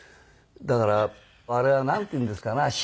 だからあれはなんて言うんですかな。